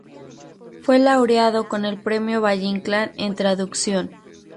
Fue laureado con el Premio Valle-Inclán en traducción.